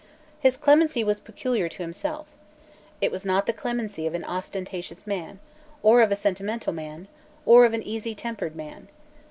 His clemency was peculiar to himself. It was not the clemency of an ostentatious man, or of a sentimental man, or of an easy tempered man.